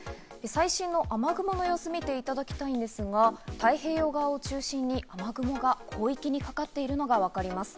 最新の雨雲の様子を見ていただきたいんですが、太平洋側を中心に雨雲が広域にかかっているのがわかります。